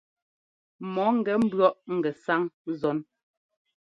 Mɔ ńgɛ ḿbʉ̈ɔʼ ŋgɛsáŋ zɔn.